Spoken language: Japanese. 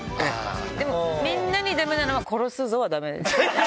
でも、みんなにだめなのは、殺すぞはだめですよね？